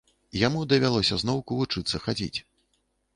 Яму давялося зноўку вучыцца хадзіць.